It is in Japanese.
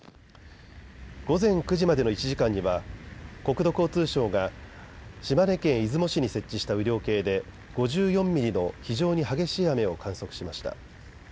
午前９時までの１時間には国土交通省が島根県出雲市に設置した雨量計で５４ミリの非常に激しい雨を観測しました。